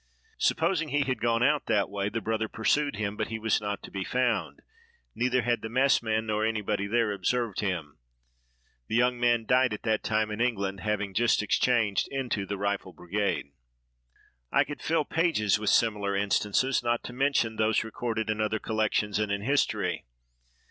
Supposing he had gone out that way, the brother pursued him, but he was not to be found; neither had the messman, nor anybody there, observed him. The young man died at that time in England, having just exchanged into the rifle brigade. I could fill pages with similar instances, not to mention those recorded in other collections and in history.